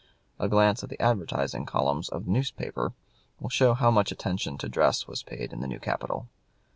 A glance at the advertising columns of the newspaper will show how much attention to dress was paid in the new capital.